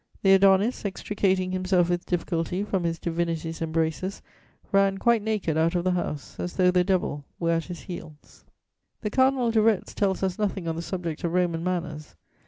The Adonis, extricating himself with difficulty from his divinity's embraces, ran quite naked out of the house, as though the devil were at his heels." The Cardinal de Retz tells us nothing on the subject of Roman manners.